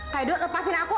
kaido lepasin aku